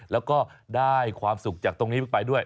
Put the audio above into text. แล้วก็ได้ความสุขจากตรงนี้ไปด้วย